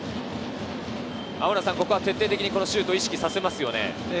ここは徹底的にシュートを意識させますよね。